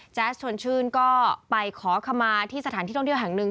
ชวนชื่นก็ไปขอขมาที่สถานที่ท่องเที่ยวแห่งหนึ่ง